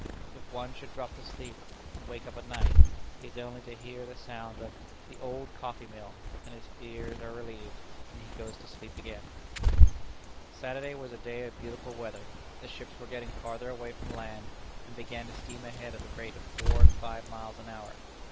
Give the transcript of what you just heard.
If one should drop to sleep, and wake up at night, he has only to hear the sound of "the old coffee mill," and his fears are relieved, and he goes to sleep again. Saturday was a day of beautiful weather. The ships were getting farther away from land, and began to steam ahead at the rate of four and five miles an hour.